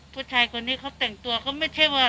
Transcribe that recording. ผู้ชายคนนี้เขาแต่งตัวเขาไม่ใช่ว่า